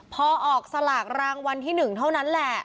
พอออกสลากรางวัลที่๑เท่านั้นแหละ